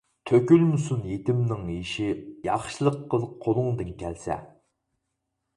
تۆكۈلمىسۇن يېتىمنىڭ يېشى، ياخشىلىق قىل قولۇڭدىن كەلسە.